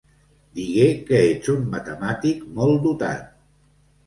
Digué que ets un matemàtic molt dotat.